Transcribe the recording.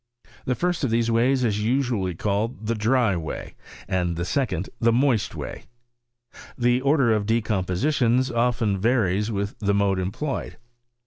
Tlie first of these ways is usually called die dry way, the second the moist way. The order of decompositions often varies with the mode employed.'